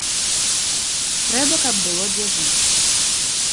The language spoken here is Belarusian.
Трэба, каб было дзе жыць.